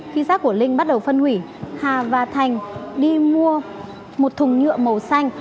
khi rác của linh bắt đầu phân hủy hà và thành đi mua một thùng nhựa màu xanh